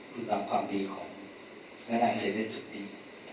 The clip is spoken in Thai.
คือบางความดีของน้านราย๗๑๑สุดดี